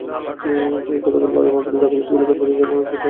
গতকাল বাদ মাগরিব ঢাকা বিশ্ববিদ্যালয় কেন্দ্রীয় জামে মসজিদে তাঁর জানাজা হয়।